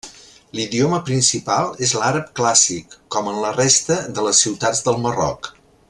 L'idioma principal és l'àrab clàssic, com en la resta de les ciutats del Marroc.